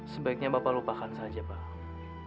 sebaiknya bapak lupakan saja pak